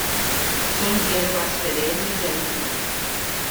Son hierbas perennes de altura.